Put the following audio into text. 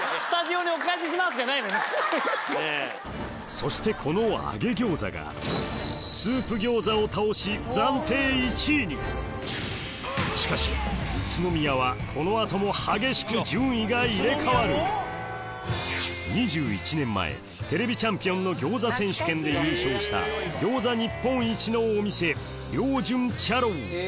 そしてこの揚餃子がスープ餃子を倒し暫定１位にしかし宇都宮はこの後も激しく順位が入れ替わる２１年前『ＴＶチャンピオン』の餃子選手権で優勝した餃子日本一のお店遼順茶楼